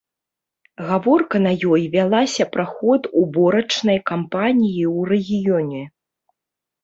Гаворка на ёй вялася пра ход уборачнай кампаніі ў рэгіёне.